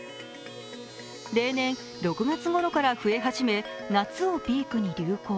例年、６月ごろから増え始め夏をピークに流行。